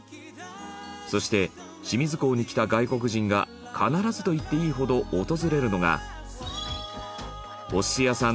そして清水港に来た外国人が必ずと言っていいほど訪れるのがお寿司屋さん